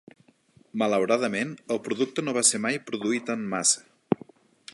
Malauradament, el producte no va ser mai produït en massa.